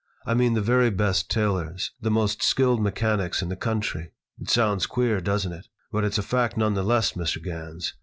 I mean the very best tailors, the most skilled mechanics in the country. It sounds queer, doesn't it? But it's a fact, nevertheless, Mr. Gans.